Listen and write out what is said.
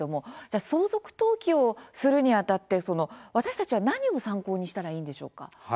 あ相続登記をするにあたって私たちは何を参考にしたらいいんでしょうか？